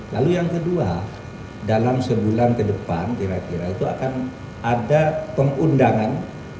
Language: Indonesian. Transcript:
lalu yang kedua dalam sebulan ke depan kira kira itu akan ada pengundangan